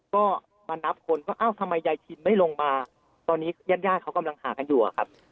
ก็มานับคนว่าเอ้าทำไมยายชินไม่ลงมาตอนนี้ญาติญาติเขากำลังหากันอยู่อะครับ